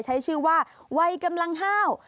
ใช้ชื่อว่าวัยกำลังห้าว